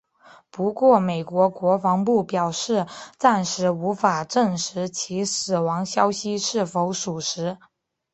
不过美国国防部表示暂时无法证实其死亡消息是否属实。